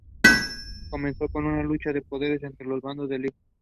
Comenzó como una lucha de poderes entre los bandos del Lic.